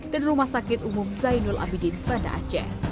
dan rumah sakit umum zainul abidin banda aceh